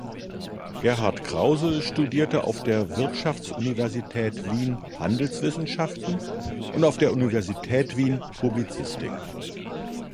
Gerhard Krause studierte auf der Wirtschaftsuniversität Wien Handelswissenschaften und auf der Universität Wien Publizistik.